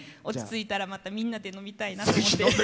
落ち着いたらまたみんなで飲みたいなと思って。